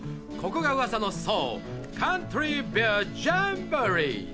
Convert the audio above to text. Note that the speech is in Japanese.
ここがうわさのそう、カントリーベア・ジャンボリー。